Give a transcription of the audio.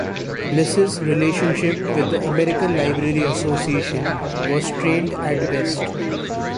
Bliss' relationship with the American Library Association was strained at best.